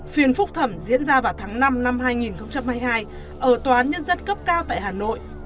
phiên phúc thẩm diễn ra vào tháng năm năm hai nghìn hai mươi hai ở tòa án nhân dân cấp cao tại hà nội